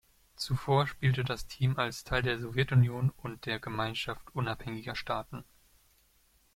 Zuvor spielte das Team als Teil der Sowjetunion und der Gemeinschaft Unabhängiger Staaten.